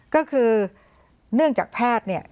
ก็คือเนื่องจากแพทย์เนี่ย